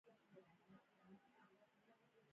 د بزګر میله یو لرغونی دود دی